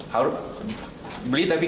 harus beli tapi